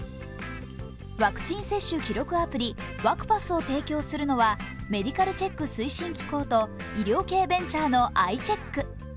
ワクチン接種記録アプリ、ワクパスを提供するのはメディカルチェック推進機構と医療系ベンチャーのＩＣｈｅｃｋ。